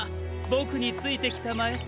ボクについてきたまえ！